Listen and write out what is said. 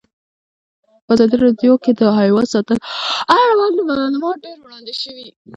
په ازادي راډیو کې د حیوان ساتنه اړوند معلومات ډېر وړاندې شوي.